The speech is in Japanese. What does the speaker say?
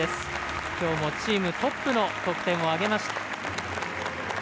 きょうもチームトップの得点を挙げました。